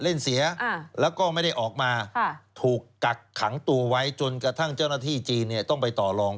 เสียแล้วก็ไม่ได้ออกมาถูกกักขังตัวไว้จนกระทั่งเจ้าหน้าที่จีนเนี่ยต้องไปต่อลอง